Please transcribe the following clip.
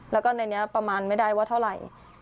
แล้วก็ในนี้ประมาณไม่ได้ว่าเท่าไหร่